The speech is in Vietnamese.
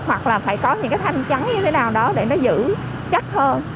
hoặc là phải có những cái thanh chắn như thế nào đó để nó giữ chắc hơn